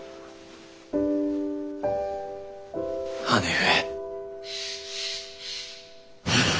姉上。